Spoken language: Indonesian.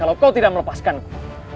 kalau kau tidak melepaskanku